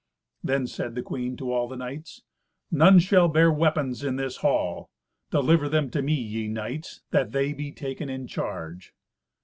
Then said the queen to all the knights, "None shall bear weapons in this hall. Deliver them to me, ye knights, that they be taken in charge."